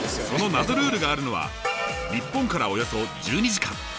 その謎ルールがあるのは日本からおよそ１２時間